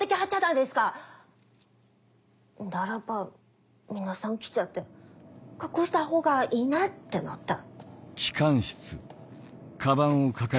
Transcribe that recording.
んだらば皆さん来ちゃって隠したほうがいいねってなって。